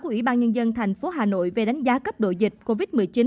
ủy ban nhân dân thành phố hà nội về đánh giá cấp độ dịch covid một mươi chín